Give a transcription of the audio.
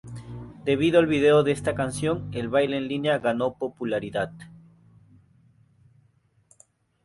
Debido al video de esta canción, el baile en línea ganó popularidad.